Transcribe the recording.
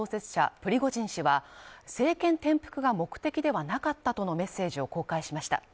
プリゴジン氏は、政権転覆が目的ではなかったとのメッセージを公開しました。